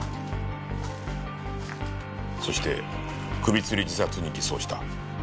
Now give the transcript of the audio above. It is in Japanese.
そして首つり自殺に偽装した。